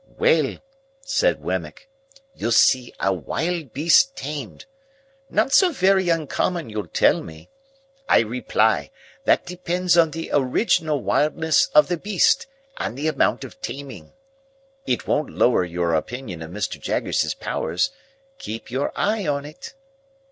"Well," said Wemmick, "you'll see a wild beast tamed. Not so very uncommon, you'll tell me. I reply, that depends on the original wildness of the beast, and the amount of taming. It won't lower your opinion of Mr. Jaggers's powers. Keep your eye on it."